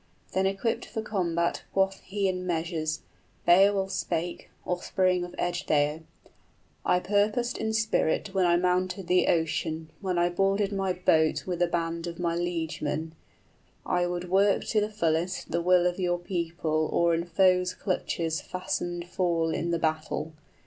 } Then equipped for combat quoth he in measures, Beowulf spake, offspring of Ecgtheow: 75 "I purposed in spirit when I mounted the ocean, {I determined to do or die.} When I boarded my boat with a band of my liegemen, I would work to the fullest the will of your people Or in foe's clutches fastened fall in the battle.